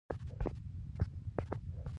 چای ته مې زړه ښه کېږي، که ملګری وي، که یواځې.